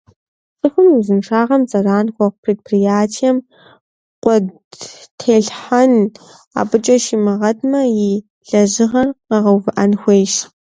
ЦӀыхум и узыншагъэм зэран хуэхъу предприятием къуэды телъхьэн, абыкӀэ щимыгъэтмэ, и лэжьыгъэр къэгъэувыӀэн хуейщ.